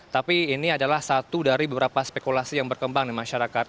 tapi ini adalah satu dari beberapa spekulasi yang berkembang di masyarakat